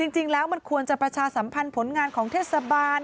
จริงแล้วมันควรจะประชาสัมพันธ์ผลงานของเทศบาล